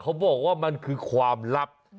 เขาบอกว่ามันคือความลับ